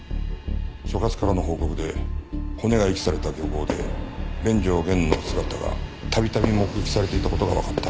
所轄からの報告で骨が遺棄された漁港で連城源の姿が度々目撃されていた事がわかった。